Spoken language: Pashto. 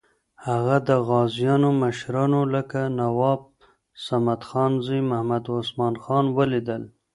هغه د غازیانو مشرانو لکه نواب صمدخان زوی محمد عثمان خان ولیدل.